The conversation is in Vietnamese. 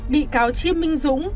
bị cáo chiêm minh dũng